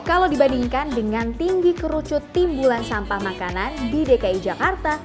kalau dibandingkan dengan tinggi kerucut timbulan sampah makanan di dki jakarta